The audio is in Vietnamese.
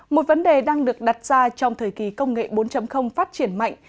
một vấn đề đang được đặt ra trong thời kỳ công nghệ bốn phát triển mạnh